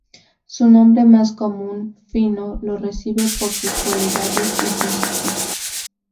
Su nombre más común, "Fino" lo recibe por sus cualidades y físico.